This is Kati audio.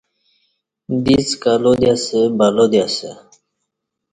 دِڅ کلا دی اسہ بلا دی اسہ